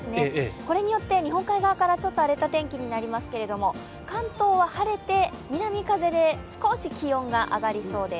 これによって日本海側からちょっと荒れた天気になりますけれども関東は晴れて南風で少し気温が上がりそうです。